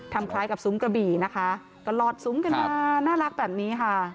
คล้ายกับซุ้มกระบี่นะคะก็หลอดซุ้มกันมาน่ารักแบบนี้ค่ะ